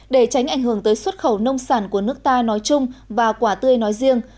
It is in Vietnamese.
để tránh ảnh hưởng tới xuất khẩu nông sản của nước ta nói chung và quả tươi nói riêng